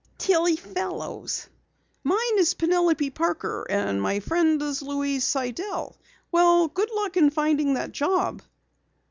"Tillie Fellows." "Mine is Penelope Parker and my friend is Louise Sidell. Well, good luck in finding that job."